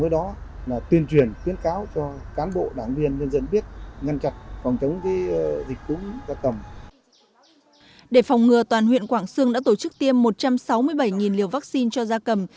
để phòng ngừa toàn huyện quảng sương đã tổ chức tiêm một trăm sáu mươi bảy liều vaccine cho gia cầm